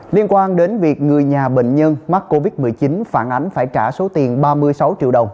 liên quan đến việc người nhà bệnh nhân mắc covid một mươi chín phản ánh phải trả số tiền ba mươi sáu triệu đồng